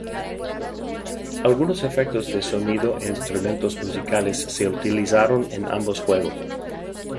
Algunos efectos de sonido e instrumentos musicales se utilizaron en ambos juegos.